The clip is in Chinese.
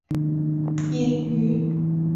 业余职业